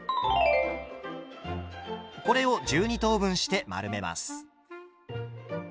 これを１２等分して丸めます。